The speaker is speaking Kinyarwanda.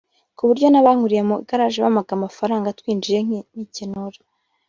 ku buryo n’abankuriye mu igaraje bampaga ku mafaranga twinjije nkikenura